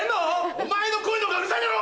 お前の声のほうがうるさいだろ！